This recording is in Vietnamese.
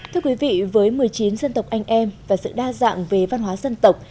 thưa quý vị với một mươi chín dân tộc anh em và sự đa dạng về văn hóa dân tộc